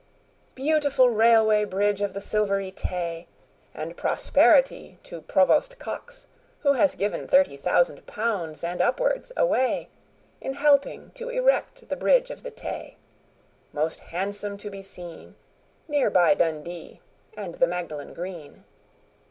Beautiful Railway Bridge of the Silvery Tay! And prosperity to Provost Cox, who has given Thirty thousand pounds and upwards away In helping to erect the Bridge of the Tay, Most handsome to be seen, Near by Dundee and the Magdalen Green.